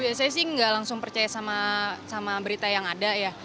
biasanya sih nggak langsung percaya sama berita yang ada ya